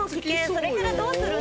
それからどうするの？